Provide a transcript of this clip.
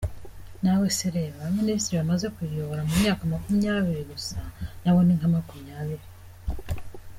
Nawe se reba abaminisitiri bamaze kuyiyobora mu myaka makumyabiri gusa, nabo ni nka makumyabiri.